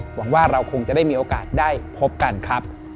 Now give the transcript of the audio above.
หวังว่าเราคงจะได้มีโอกาสได้พบกันครับ